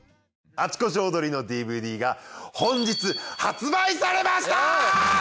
『あちこちオードリー』のＤＶＤが本日発売されました！